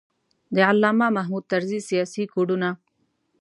د علامه محمود طرزي سیاسي کوډونه.